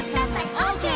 オーケー！」